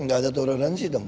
enggak ada toleransi dong